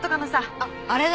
あっあれだ。